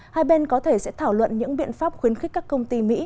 hai bên có thể sẽ thảo luận những biện pháp khuyến khích các công ty mỹ